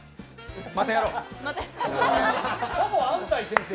またやろう。